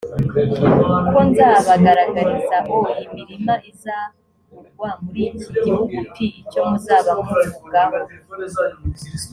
ko nzabagaragariza o imirima izagurwa muri iki gihugu p icyo muzaba muvugaho